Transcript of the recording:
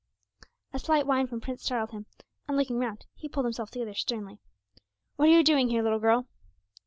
A slight whine from Prince startled him, and looking round he pulled himself together sternly. 'What are you doing here, little girl?'